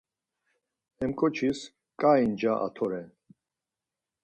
Hem ǩoçis ǩai nca atoren.